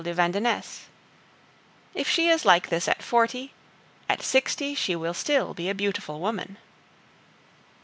de Vandenesse. If she is like this at forty, at sixty she will still be a beautiful woman.